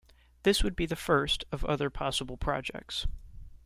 This would be the first of other possible projects.